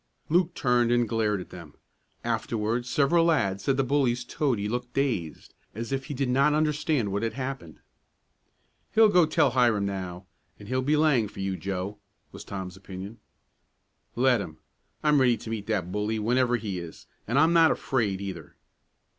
Luke turned and glared at them. Afterward several lads said the bully's toady looked dazed, as if he did not understand what had happened. "He'll go tell Hiram now, and he'll be laying for you, Joe," was Tom's opinion. "Let him. I'm ready to meet that bully whenever he is, and I'm not afraid, either."